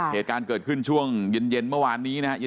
เหตุการณ์เกิดขึ้นช่วงเย็นเมื่อวานนี้นะครับ